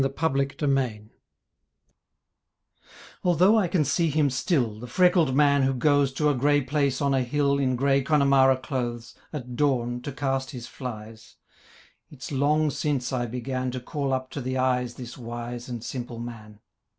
THE FISHERMAN Although I can see him still, The freckled man who goes To a grey place on a hill In grey Connemara clothes At dawn to cast his flies, It's long since I began To call up to the eyes This wise and simple man.